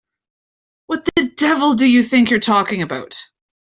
What the devil do you think you're talking about?